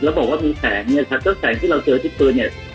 แล้วบอกว่ามีแสงเนี่ยครับก็แสงที่เราเจอที่ปืนเนี่ย